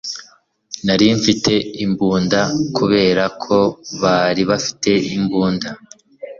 nari mfite imbunda kubera ko bari bafite imbunda